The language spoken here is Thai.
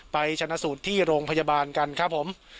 ชนะสูตรที่โรงพยาบาลกันครับผม